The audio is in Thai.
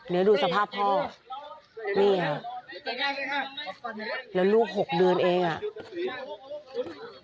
เดี๋ยวดูสภาพพ่อนี่ค่ะแล้วลูก๖เดือนเองอ่ะ